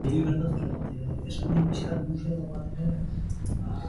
Arrautzaren azalaren kolorea zuria edo ilunagoa izan daiteke, oiloa zein arrazatakoa den.